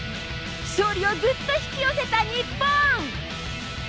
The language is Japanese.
勝利をぐっと引き寄せた日本。